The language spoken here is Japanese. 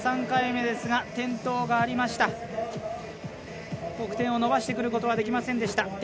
３回目ですが転倒がありました、得点を伸ばしてくることはできませんでした。